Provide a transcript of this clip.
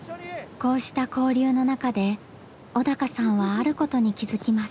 こうした交流の中で小鷹さんはあることに気付きます。